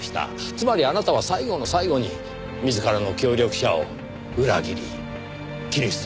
つまりあなたは最後の最後に自らの協力者を裏切り切り捨てたんですよ。